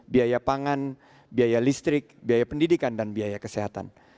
biaya pangan biaya listrik biaya pendidikan dan biaya kesehatan